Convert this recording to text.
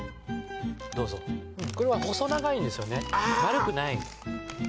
どうぞこれは細長いんですよね丸くない